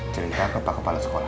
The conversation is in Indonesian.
cerita ke pak kepala sekolah